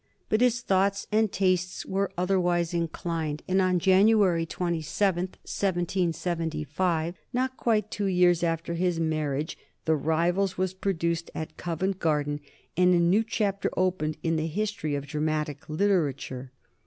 But his thoughts and tastes were otherwise inclined, and on January 27, 1775, not quite two years after his marriage, "The Rivals" was produced at Covent Garden and a new chapter opened in the history of dramatic literature.